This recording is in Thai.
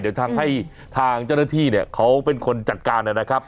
เดี๋ยวทางให้ทางเจ้าหน้าที่เนี่ยเขาเป็นคนจัดการนะครับ